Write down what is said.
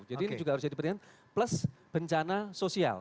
jadi ini juga harus jadi pertimbangan plus bencana sosial